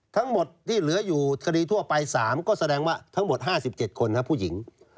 ทั้งหมดที่เหลืออยู่คดีทั่วไป๓ก็แสดงว่าทั้งหมด๕๗คนผู้หญิง